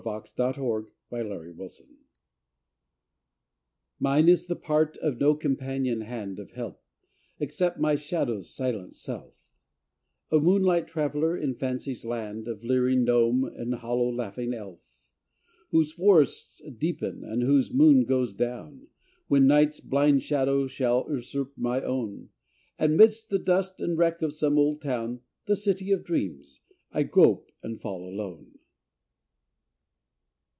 UNENCOURAGED ASPIRATION Mine is the part of no companion hand Of help, except my shadow's silent self: A moonlight traveller in Fancy's land Of leering gnome and hollow laughing elf: Whose forests deepen and whose moon goes down, When night's blind shadow shall usurp my own; And, 'midst the dust and wreck of some old town, The City of Dreams, I grope and fall alone.